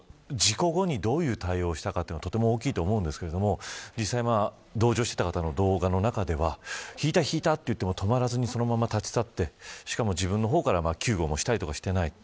事故後にどういう対応をしたかとても大きいと思うんですが同乗していた方の動画の中ではひいた、ひいたと言っても止まらずにそのまま立ち去ってしかも、自分の方から救護とかもしていない。